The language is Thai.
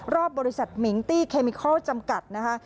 รอบบริษัทมิงตี้เคมิเคิลจำกัดนะคะ